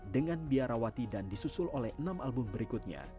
dengan biarawati dan disusul oleh enam album berikutnya